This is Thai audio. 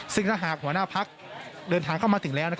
ซึ่งถ้าหากหัวหน้าพักเดินทางเข้ามาถึงแล้ว